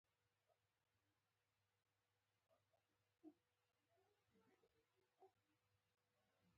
ځینې نور په خاصو دیني منظومو پورې تړاو لري.